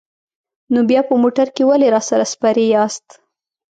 نو بیا په موټر کې ولې راسره سپرې یاست؟